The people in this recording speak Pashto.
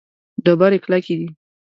ډبرې کلکې دي.